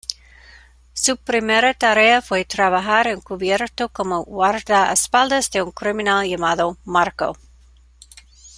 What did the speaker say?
Su primera tarea fue trabajar encubierto como guardaespaldas de un criminal llamado Marko.